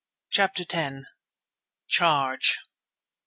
CHAPTER X. CHARGE!